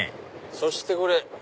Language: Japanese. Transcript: そしてこれ！